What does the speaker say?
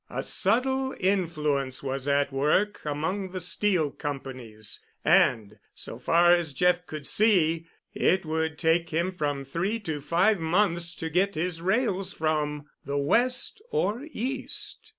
A subtle influence was at work among the steel companies, and, so far as Jeff could see, it would take him from three to five months to get his rails from the West or East.